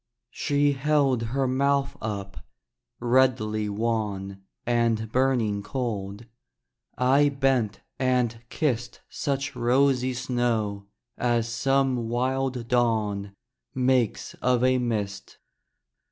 She held her mouth up, redly wan And burning cold: I bent and kissed Such rosy snow as some wild dawn Makes of a mist.